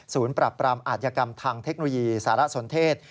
ศูนย์ปรับปรามอาจยกรรมทางเทคโนยีสารสนเทศ